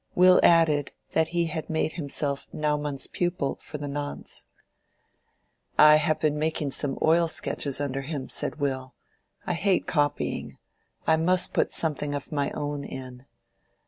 Will added that he had made himself Naumann's pupil for the nonce. "I have been making some oil sketches under him," said Will. "I hate copying. I must put something of my own in.